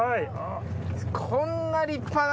こんな立派な。